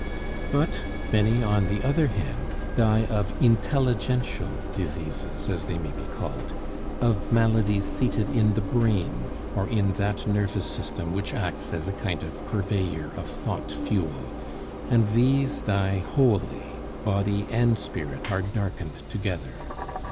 But many, on the other hand, die of intelligential diseases, as they may be called; of maladies seated in the brain or in that nervous system which acts as a kind of purveyor of thought fuel and these die wholly, body and spirit are darkened together.